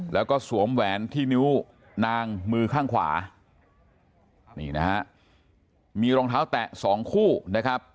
แล้วก็สวมแหวนที่นิ้วนางมือข้างขวานี่นะฮะมีรองเท้าแตะสองคู่นะครับ